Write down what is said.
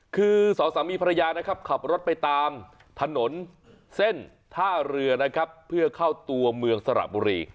คือสองสามีภรรยานะครับขับรถไปตามถนนเส้นท่าเรือนะครับเพื่อเข้าตัวเมืองสระบุรี